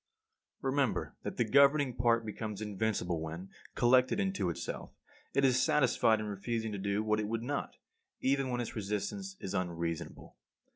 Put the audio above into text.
48. Remember that the governing part becomes invincible when, collected into itself, it is satisfied in refusing to do what it would not, even when its resistance is unreasonable.